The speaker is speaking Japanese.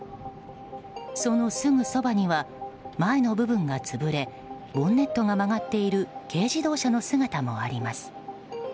そのすぐそばには前の部分が潰れボンネットが曲がっている軽自動車の姿もあります。